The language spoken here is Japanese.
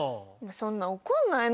そんな怒んないの。